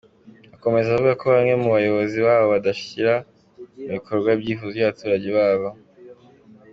Akomeza avuga ko bamwe mu bayobozi babo badashyira mu bikorwa ibyifuzo by’abaturage babo.